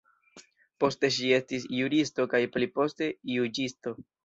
Poste ŝi estis juristo kaj pliposte juĝisto.